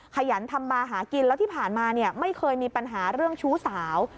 ขยันทำมาหากินแล้วที่ผ่านมาเนี่ยไม่เคยมีปัญหาเรื่องชู้สาว